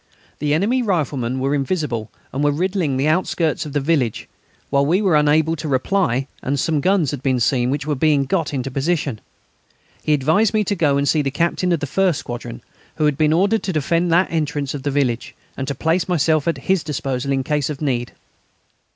The enemy riflemen were invisible, and were riddling the outskirts of the village, while we were unable to reply; and some guns had been seen which were being got into position. He advised me to go and see the captain of the first squadron, who had been ordered to defend that entrance of the village, and to place myself at his disposal in case of need.